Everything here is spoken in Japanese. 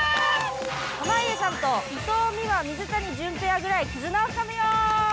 濱家さんと伊藤美誠・水谷隼ペアくらい絆を深めよう！